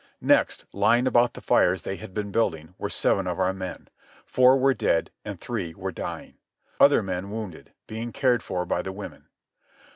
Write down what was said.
Next, lying about the fires they had been building, were seven of our men. Four were dead, and three were dying. Other men, wounded, were being cared for by the women.